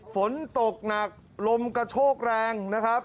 ฝนตกหนักลมกระโชกแรงนะครับ